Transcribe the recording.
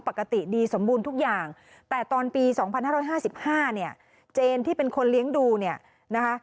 ปกติดีสมบูรณ์ทุกอย่างแต่ตอนปี๒๕๕๕เนี่ยเจนที่เป็นคนเลี้ยงดูเนี่ยนะคะ